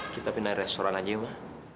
kita pindah restoran aja mbak